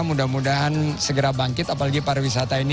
mudah mudahan segera bangkit apalagi para wisata ini dua tahun di